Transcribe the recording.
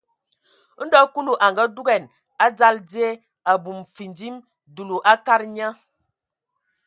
Ndo Kulu a ngadugan a dzal die, abum findim, dulu a kadag nye.